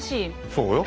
そうよ？